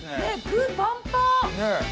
具パンパン！